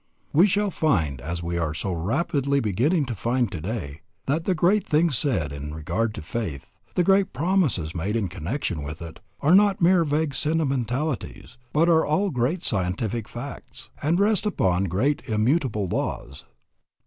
We shall find, as we are so rapidly beginning to find today, that the great things said in regard to faith, the great promises made in connection with it, are not mere vague sentimentalities, but are all great scientific facts, and rest upon great immutable laws.